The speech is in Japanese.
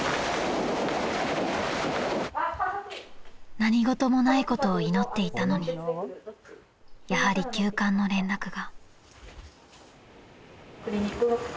［何事もないことを祈っていたのにやはり急患の連絡が］